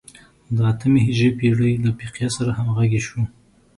د اتمې هجري پېړۍ له فقیه سره همغږي شو.